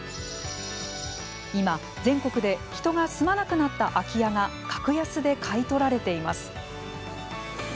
今、全国で人が住まなくなった空き家が格安で買い取られています。